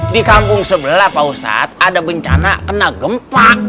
di kampung sebelah pak ustadz ada bencana kena gempa